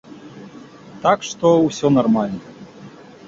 Так што ўсё нармальна.